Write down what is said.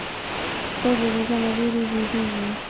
پسه د لیوه له وېرې وېرېږي.